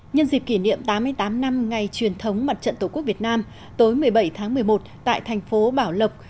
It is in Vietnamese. nhân dịp kỷ niệm tám mươi tám năm ngày truyền thống mặt trận tổ quốc việt nam tối một mươi bảy tháng một mươi một tại thành phố bảo lộc